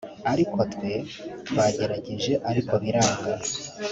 ariko twe twagerageje ariko biranga